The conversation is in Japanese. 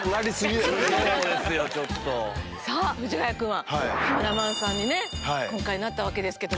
さぁ藤ヶ谷君はカメラマンさんに今回なったわけですけど。